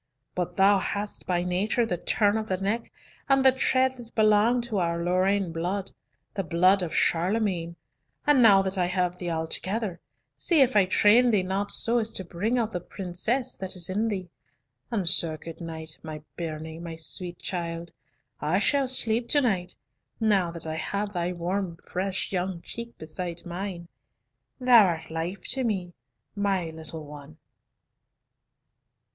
But thou hast by nature the turn of the neck, and the tread that belong to our Lorraine blood, the blood of Charlemagne, and now that I have thee altogether, see if I train thee not so as to bring out the princess that is in thee; and so, good night, my bairnie, my sweet child; I shall sleep to night, now that I have thy warm fresh young cheek beside mine. Thou art life to me, my little one."